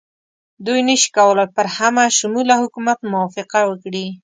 دوی نه شي کولای پر همه شموله حکومت موافقه وکړي.